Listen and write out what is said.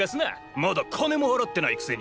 まだ金も払ってないくせに！